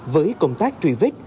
với công tác truy vết